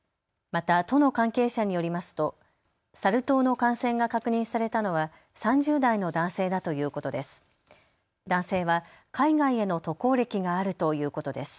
また都の関係者によりますとサル痘の感染が確認されたのは３０代の男性だということです。